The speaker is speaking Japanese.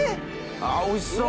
あぁおいしそう。